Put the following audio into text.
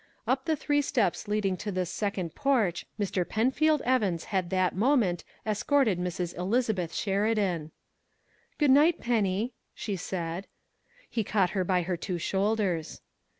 Up the three steps leading to this second porch Mr. Penfield Evans had that moment escorted Miss Elizabeth Sheridan. "Good night, Penny," she said. He caught her by her two shoulders.